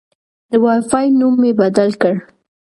د وای فای نوم مې بدل کړ.